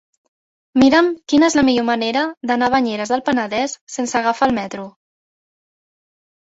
Mira'm quina és la millor manera d'anar a Banyeres del Penedès sense agafar el metro.